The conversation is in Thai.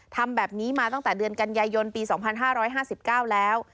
ทำแบบนี้มาตั้งแต่เดือนกันยายนปี๒๕๕๙แล้ว